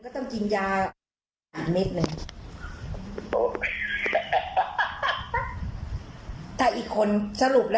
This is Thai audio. ทำไมอะ